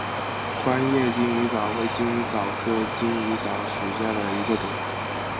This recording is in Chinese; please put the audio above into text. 宽叶金鱼藻为金鱼藻科金鱼藻属下的一个种。